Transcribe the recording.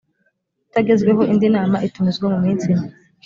utagezweho indi nama itumizwa mu minsi ine